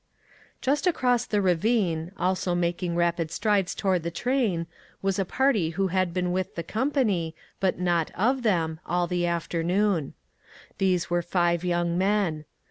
Just across the ravine, also making rapid strides toward the train, was a party who had been with the company, but not of them, all the afternoon. These were five young men.